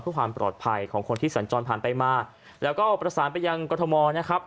เพื่อความปลอดภัยของคนที่สัญจรผ่านไปมาแล้วก็ประสานไปยังกรทมนะครับ